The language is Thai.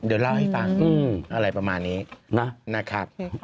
เดี๋ยวเล่าให้ฟังอะไรประมาณนี้นะครับ